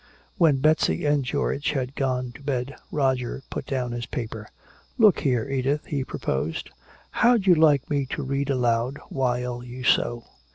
When Betsy and George had gone to bed, Roger put down his paper. "Look here, Edith," he proposed, "how'd you like me to read aloud while you sew?"